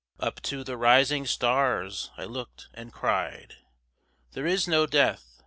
Up to the rising stars I looked and cried, 'There is no death!